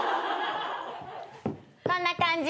こんな感じ。